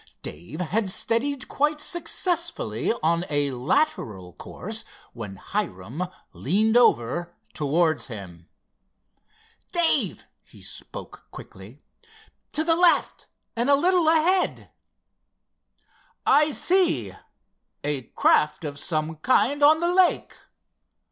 Dave had steadied quite successfully on a lateral course when Hiram leaned over towards him. "Dave," he spoke quickly—"to the left, and a little ahead." "I see—a craft of some kind on the lake."